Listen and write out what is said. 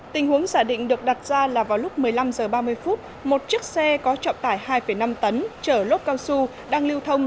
tình huống giả định được đặt ra là vào lúc một mươi năm h ba mươi một chiếc xe có trọng tải hai năm tấn chở lốt cao su đang lưu thông